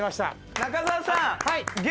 中澤さん。